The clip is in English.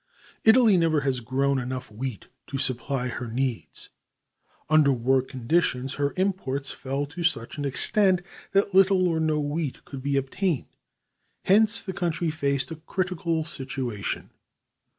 Italy never has grown enough wheat to supply her needs. Under war conditions her imports fell to such an extent that little or no wheat could be obtained. Hence the country faced a critical situation.